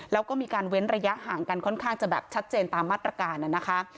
แล้วก็มีการเว้นระยะห่างกันค่อนข้างจะแบบชัดเจนตามมาตรการนะคะ